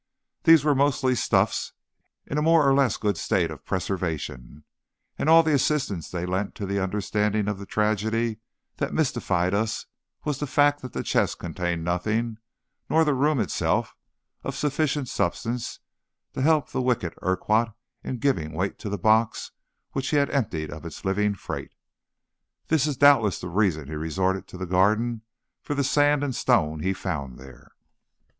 These were mostly stuffs in a more or less good state of preservation, and all the assistance they lent to the understanding of the tragedy that mystified us was the fact that the chest contained nothing, nor the room itself, of sufficient substance to help the wicked Urquhart in giving weight to the box which he had emptied of its living freight. This is doubtless the reason he resorted to the garden for the sand and stone he found there.